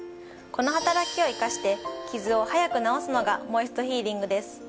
この働きを生かしてキズを早く治すのがモイストヒーリングです。